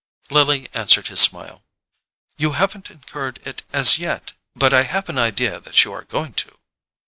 Lily answered his smile. "You haven't incurred it as yet; but I have an idea that you are going to."